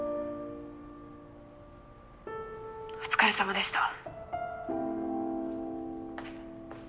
お疲れさまでした。